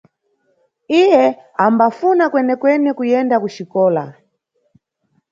Iye ambafuna kwenekwene kuyenda kuxikola.